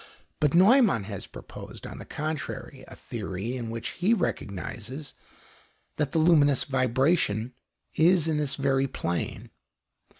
But Neumann has proposed, on the contrary, a theory in which he recognizes that the luminous vibration is in this very plane.